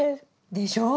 でしょう？